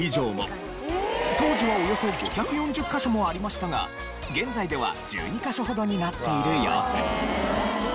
当時はおよそ５４０カ所もありましたが現在では１２カ所ほどになっているよう。